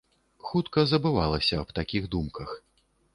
Хутка забывалася аб такіх думках.